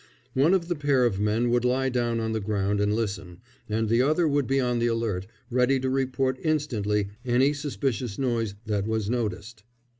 One of the pair of men would lie down on the ground and listen, and the other would be on the alert, ready to report instantly any suspicious noise that was noticed.